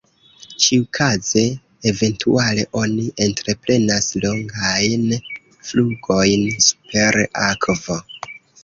Ĉiukaze eventuale oni entreprenas longajn flugojn super akvo.